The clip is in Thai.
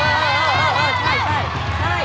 อ้าวใช่